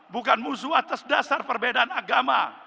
bukan musuh atas dasar perbedaan agama